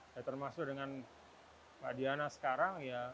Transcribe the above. ya termasuk dengan pak diana sekarang ya